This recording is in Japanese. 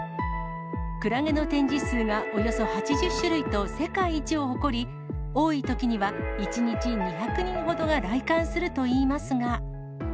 クラゲの展示数がおよそ８０種類と、世界一を誇り、多いときには１日２００人ほどが来館するといいますが。